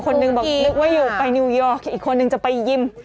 คนหนึ่งบอกนึกว่าอยู่ไปนิวยอร์กอีกคนนึงจะไปยิม